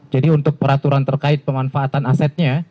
jadi untuk peraturan terkait pemanfaatan asetnya